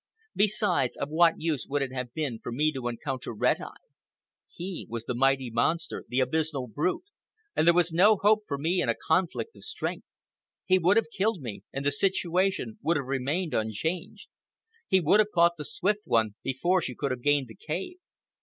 Besides, of what use would it have been for me to encounter Red Eye? He was the mighty monster, the abysmal brute, and there was no hope for me in a conflict of strength. He would have killed me, and the situation would have remained unchanged. He would have caught the Swift One before she could have gained the cave.